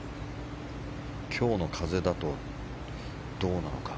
今日の風だとどうなのか。